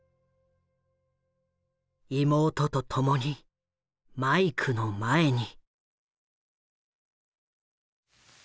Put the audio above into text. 妹と共にマイクの前に。